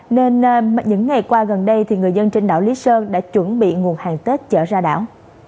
nên những ngày qua gần đây thì người dân trên đảo lý sơn đã chuẩn bị nguồn hàng tết chở ra đảo